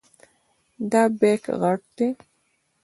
دا بیک غټ دی.